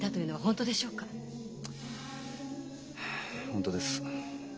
本当です。